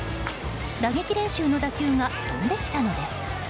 打撃練習の打球が飛んできたのです。